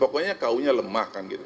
pokoknya ku nya lemah kan gitu